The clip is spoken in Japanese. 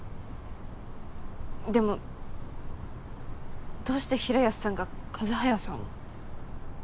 でもどうして平安さんが風早さんを。